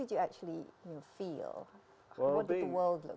ya saya mulai berbicara lagi